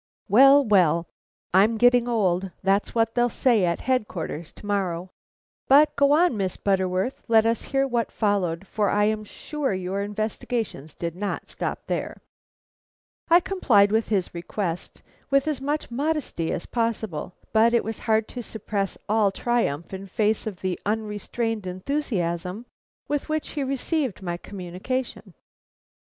"Well! well! I'm getting old; that's what they'll say at Headquarters to morrow. But go on, Miss Butterworth; let us hear what followed; for I am sure your investigations did not stop there." I complied with his request with as much modesty as possible. But it was hard to suppress all triumph in face of the unrestrained enthusiasm with which he received my communication.